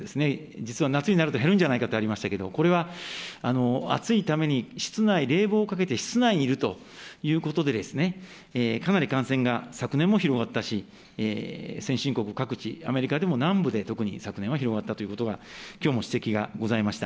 実は夏になると減るんじゃないかとありましたけれども、これは暑いために室内、冷房をかけて室内にいるということで、かなり感染が昨年も広がったし、先進国各地、アメリカでも南部で特に昨年は広がったということが、きょうも指摘がございました。